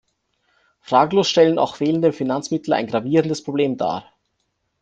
Fraglos stellen auch fehlende Finanzmittel ein gravierendes Problem dar.